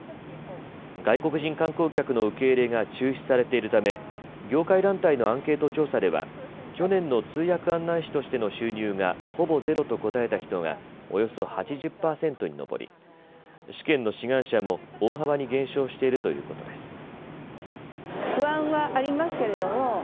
外国人観光客の受け入れが中止されているため業界団体のアンケート調査では去年の通訳案内士としての収入がほぼゼロと答えた人がおよそ８０％に上り試験の志願者も大幅に減少しているということです。